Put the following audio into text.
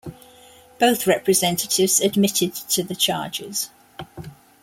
Both representatives admitted to the charges.